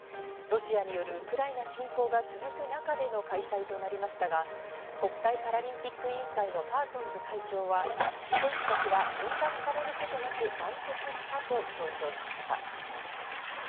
ロシアによるウクライナ侵攻が続く中での開催となりましたが国際パラリンピック委員会のパーソンズ会長は選手たちは分断されることなく、団結したと強調しました。